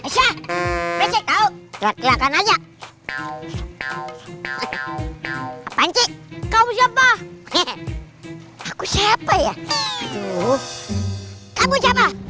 siap kau siapa aku siapa ya